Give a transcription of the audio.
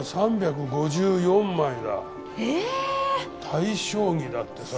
泰将棋だってさ。